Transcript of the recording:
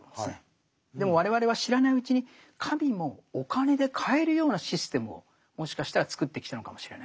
でも我々は知らないうちに神もお金で買えるようなシステムをもしかしたら作ってきたのかもしれない。